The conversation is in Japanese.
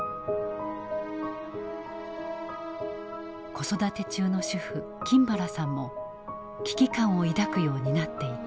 子育て中の主婦金原さんも危機感を抱くようになっていた。